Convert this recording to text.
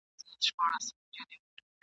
په خپل خیر چي نه پوهیږي زنداني سي ..